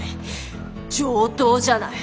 上等じゃない。